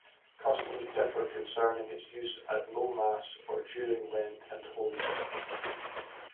Custom differs concerning its use at Low Mass, or during Lent and Holy Week.